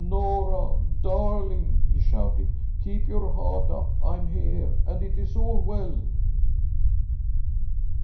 "Norah, darling," he shouted, "keep your heart up! I'm here, and it is all well!"